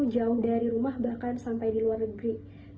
jauh dari rumah bahkan sampai di luar negeri